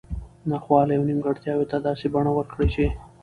نا خوالي او نیمګړتیاوو ته داسي بڼه ورکړي چې